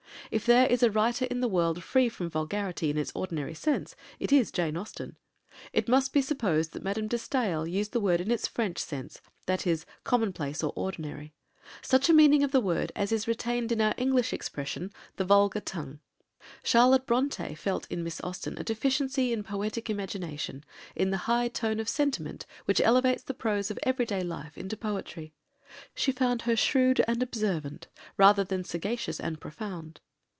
If there is a writer in the world free from vulgarity in its ordinary sense, it is Jane Austen; it must be supposed that Madame de Staël used the word in its French sense, i.e. "commonplace" or "ordinary," such a meaning of the word as is retained in our English expression "the vulgar tongue." Charlotte Brontë felt in Miss Austen a deficiency in poetic imagination, in the high tone of sentiment which elevates the prose of everyday life into poetry. She found her "shrewd and observant rather than sagacious and profound."